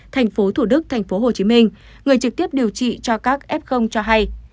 thành phố thủ đức thành phố hồ chí minh người trực tiếp điều trị cho các f cho hay